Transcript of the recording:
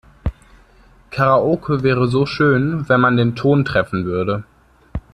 Karaoke wäre so schön, wenn man den Ton treffen würde.